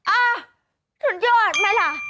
อ่ะสุดยอดไหมล่ะ